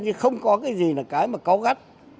chứ không có cái gì là cái mà có gắt